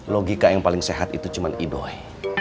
logika yang paling sehat itu cuma itu doi